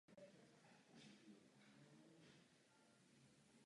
Bojovat tváří v tvář smrti můžete hned v několika rozličných misích.